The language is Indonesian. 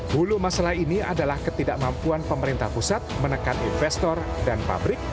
hulu masalah ini adalah ketidakmampuan pemerintah pusat menekan investor dan pabrik